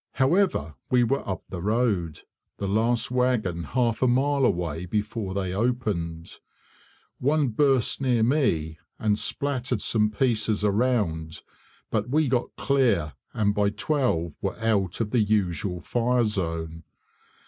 However, we were up the road, the last wagon half a mile away before they opened. One burst near me, and splattered some pieces around, but we got clear, and by 12 were out of the usual fire zone.